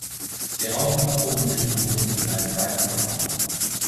Die Raupen verpuppen sich am Boden in einem weißen Kokon.